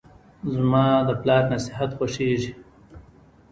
زماد پلار نصیحت خوښیږي.